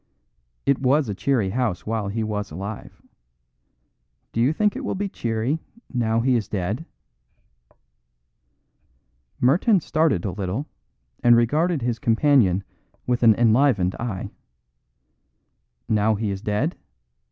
"It was a cheery house while he was alive. Do you think it will be cheery now he is dead?" Merton started a little and regarded his companion with an enlivened eye. "Now he is dead?"